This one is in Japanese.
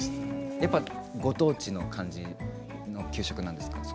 やっぱりご当地の感じの給食なんですか？